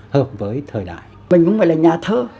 hợp với thời đại mình cũng phải là nhà thơ